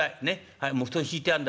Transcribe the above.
はいもう布団敷いてあんだから」。